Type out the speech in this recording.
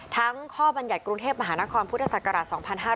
ทั้งข้อบรรยัติกรุงเทพมหานครพุทธศักราช๒๕๕๙